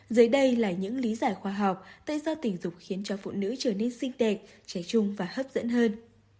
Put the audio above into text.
dưới đây là những lý giải khoa học tay do tình dục khiến cho phụ nữ trở nên xinh đẹp trẻ trung và hấp dẫn hơn